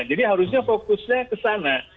jadi harusnya fokusnya ke sana